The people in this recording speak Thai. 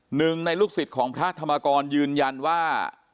หนึ่งในลูกศิษย์ของพระธรรมกรยืนยันว่า